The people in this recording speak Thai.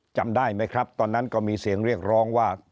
จำได้ไหมครับตอนนั้นก็มีเสียงเรียกร้องว่า